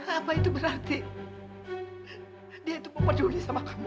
apa itu berarti dia tuh mau peduli sama kamu